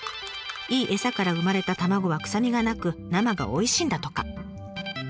いい餌から生まれた卵は臭みがなく生がおいしいんだとか。